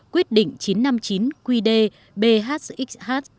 quyết định chín trăm năm mươi chín qdbhxh